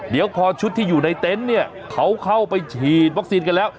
เดี๋ยวพอชุดที่อยู่ในเต็นต์เนี่ยเขาเข้าไปฉีดวัคซีนกันแล้ว